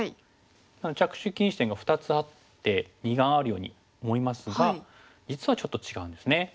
なので着手禁止点が２つあって二眼あるように思いますが実はちょっと違うんですね。